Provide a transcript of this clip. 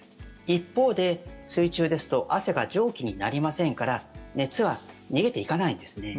一方で、水中ですと汗が蒸気になりませんから熱は逃げていかないんですね。